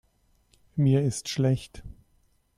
Mir ist schlecht.